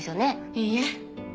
いいえ。